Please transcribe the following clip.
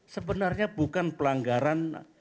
sebenarnya bukan pelanggaran